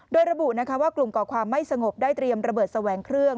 โดยระบุว่ากลุ่มก่อความไม่สงบได้เตรียมระเบิดแสวงเครื่อง